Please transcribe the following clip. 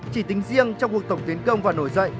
chỉ tính riêng trong cuộc tổng tiến công và nổi dậy